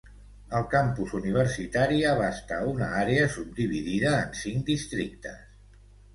El campus universitari abasta una àrea subdividida en cinc districtes.